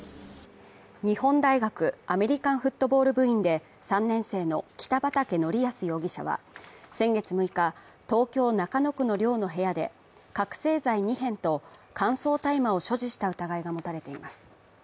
日本大学アメリカンフットボール部員で３年生の北畠成文容疑者は先月６日、東京・中野区の寮の部屋で覚醒剤２片と乾燥大麻を所持した疑いが持たれています。